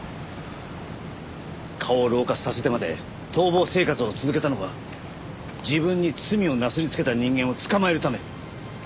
顔を老化させてまで逃亡生活を続けたのは自分に罪をなすりつけた人間を捕まえるためですよね？